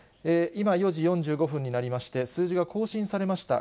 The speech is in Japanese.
今、４時４５分になりまして、数字が更新されました。